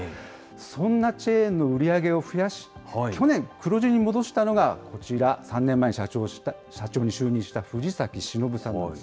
そんなチェーンの売り上げを増やし、去年、黒字に戻したのがこちら、３年前、社長に就任した藤崎忍さんです。